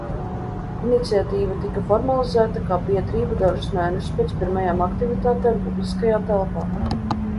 Iniciatīva tika formalizēta kā biedrība dažus mēnešus pēc pirmajām aktivitātēm publiskajā telpā.